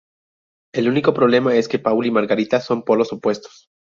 El único problema es que Paul y Margarita son polos opuestos.